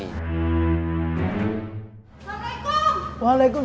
ngapain dibuang buang buat dekorasi